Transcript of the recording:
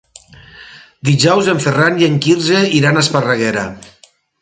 Dijous en Ferran i en Quirze iran a Esparreguera.